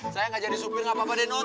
saya gak jadi supir gak apa apa deh non